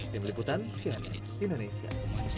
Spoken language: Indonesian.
di meliputan sianet indonesia